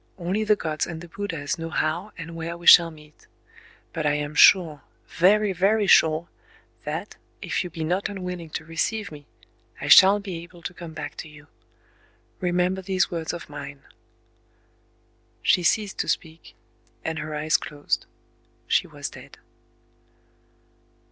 "Only the Gods and the Buddhas know how and where we shall meet. But I am sure—very, very sure—that, if you be not unwilling to receive me, I shall be able to come back to you... Remember these words of mine."... She ceased to speak; and her eyes closed. She was dead.